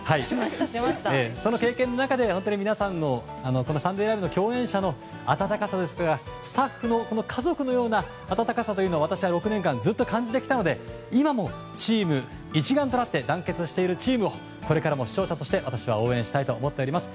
その経験の中で「サンデーＬＩＶＥ！！」の共演者の温かさですとかスタッフの家族のような温かさを私は６年間ずっと感じてきたので今も一丸となって団結しているチームもこれからも視聴者として私は応援したいと思っております。